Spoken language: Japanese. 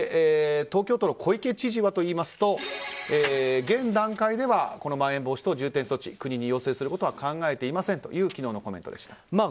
東京都の小池知事はといいますと現段階ではまん延防止等重点措置国に要請することは考えていませんという昨日のコメントでした。